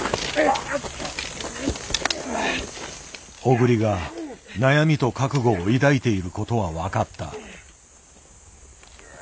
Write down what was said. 小栗が悩みと覚悟を抱いていることは分かった。